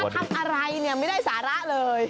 ทำอะไรเนี่ยไม่ได้สาระเลย